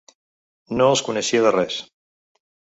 No els coneixia de res.